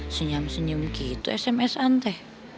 senyam senyum gitu sms ante